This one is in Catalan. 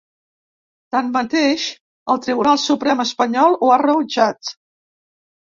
Tanmateix, el Tribunal Suprem espanyol ho ha rebutjat.